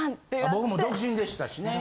僕も独身でしたしね。